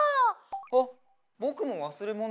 あっぼくもわすれもの。